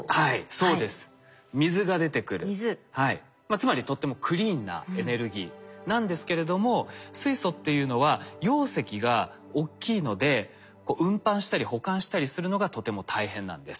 つまりとってもクリーンなエネルギーなんですけれども水素っていうのは容積が大きいので運搬したり保管したりするのがとても大変なんです。